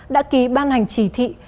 đã ký ban hành chỉ thị